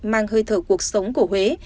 mang hơi thở cuộc sống của huế